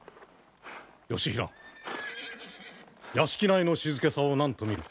義平屋敷内の静けさを何と見る？